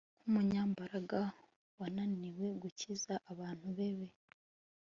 nk umunyambaraga wananiwe gukiza abantu be b